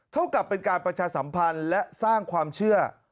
เท่ากับเป็นการประชาสัมพันธ์และสร้างความเชื่อ